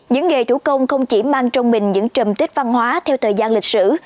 những nghề chủ công không chỉ mang trong mình những trầm tít văn hóa theo thời gian lịch sử